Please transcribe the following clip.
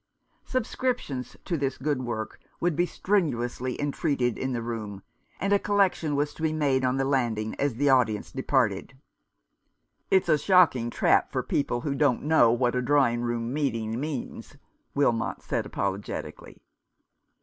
Subscriptions to this good work would be strenuously entreated i'n the room, and a collection was to be made on the landing as the audience departed. "It's a shocking trap for people who don't know what a drawing room meeting means," Wilmot said apologetically.